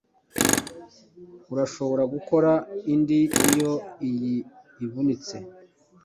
Urashobora gukora indi iyo iyi ivunitse.